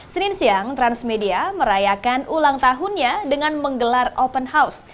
senin siang transmedia merayakan ulang tahunnya dengan menggelar open house